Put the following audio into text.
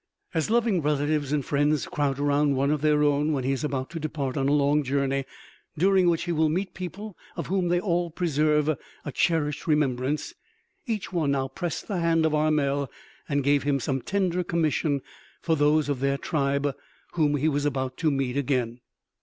As loving relatives and friends crowd around one of their own when he is about to depart on a long journey, during which he will meet people of whom they all preserve a cherished remembrance, each now pressed the hand of Armel and gave him some tender commission for those of their tribe whom he was about to meet again.